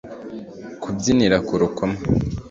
kubyinira ku rukoma